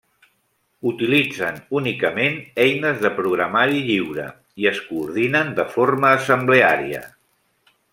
Utilitzen únicament eines de programari lliure i es coordinen de forma assembleària.